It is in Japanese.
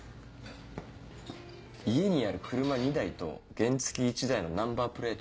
家にある車２台と原付き１台のナンバープレート